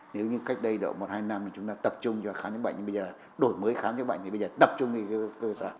nếu như cách đây đợi một hai năm chúng ta tập trung cho khám những bệnh bây giờ đổi mới khám những bệnh thì bây giờ tập trung cho y tế cơ sở